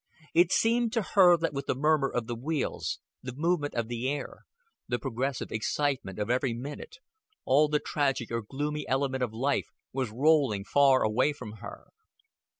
It seemed to her that with the murmur of the wheels, the movement of the air, the progressive excitement of every minute, all the tragic or gloomy element of life was rolling far away from her.